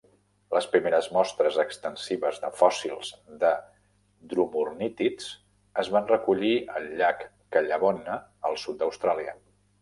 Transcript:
Les primeres mostres extensives de fòssils de dromornítids es van recollir al llac Callabonna, al sud d'Austràlia.